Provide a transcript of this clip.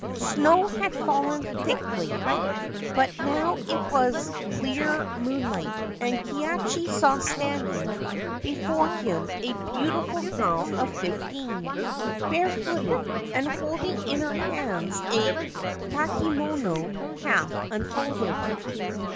Snow had fallen thickly ; but now it was clear moon light, and Kihachi saw standing before him a beautiful girl of fifteen, barefooted, and holding in her hands a kakemono half unfolded.